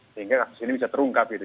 sehingga kasus ini bisa terungkap gitu